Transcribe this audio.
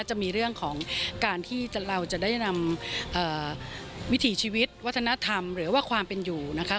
จะมีเรื่องของการที่เราจะได้นำวิถีชีวิตวัฒนธรรมหรือว่าความเป็นอยู่นะคะ